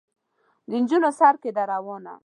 د نجونو سر کې ده روانه.